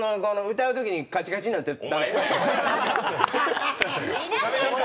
歌うときにカチカチになったら駄目！